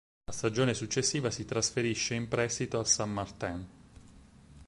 La stagione successiva si trasferisce in prestito al San Martín.